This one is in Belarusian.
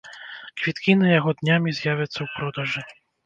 Квіткі на яго днямі з'явяцца ў продажы.